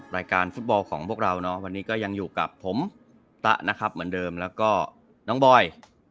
รายการฟุตบอลของพวกเราวันนี้ก็ยังอยู่กับผมตะแล้วก็น้องบอย